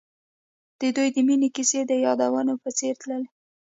د دوی د مینې کیسه د یادونه په څېر تلله.